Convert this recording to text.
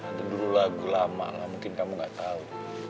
nanti dulu lagu lama lah mungkin kamu gak tahu